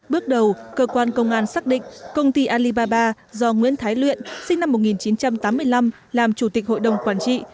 bước đầu cơ quan công an xác định công ty alibaba do nguyễn thái luyện sinh năm một nghìn chín trăm tám mươi năm làm chủ tịch hội đồng quản trị